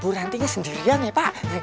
bu rante nya sendirian ya pak